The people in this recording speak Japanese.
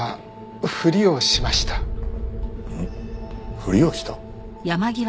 ふりをした？